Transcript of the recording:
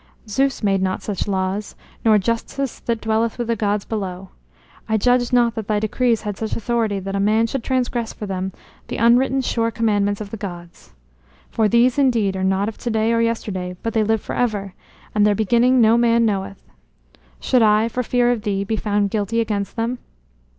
"Zeus made not such laws, nor Justice that dwelleth with the gods below. I judged not that thy decrees had such authority that a man should transgress for them the unwritten sure commandments of the gods. For these, indeed, are not of today or yesterday, but they live forever, and their beginning no man knoweth. Should I, for fear of thee, be found guilty against them?